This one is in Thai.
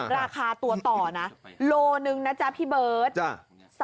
ราคาตัวต่อนะโลนึงนะจ๊ะพี่เบิร์ต